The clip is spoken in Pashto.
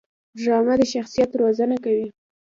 ډرامه د شخصیت روزنه کوي